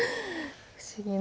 不思議な。